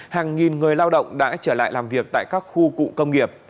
hàng nghìn người lao động đã trở lại làm việc tại các khu cụ công nghiệp